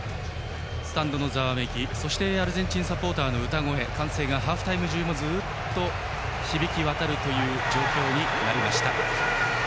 スタンドのざわめきそしてアルゼンチンサポーターの歌声歓声がハーフタイム中もずっと響き渡るという状況になりました。